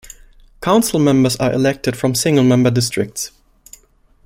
Council members are elected from single-member districts.